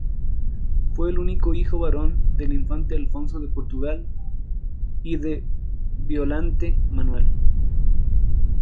Fue el único hijo varón del infante Alfonso de Portugal y de Violante Manuel.